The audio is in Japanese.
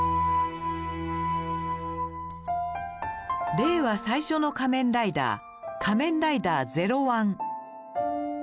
令和最初の「仮面ライダー」「仮面ライダーゼロワン」。